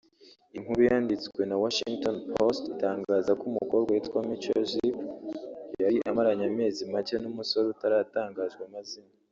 Inkuru yanditswe na Washingtonpost itangaza ko umukobwa yitwa Michelle Zipp yari amaranye amezi make n’umusore utaratangajwe amazina